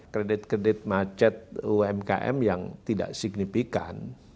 kredit kredit macet umkm yang tidak signifikan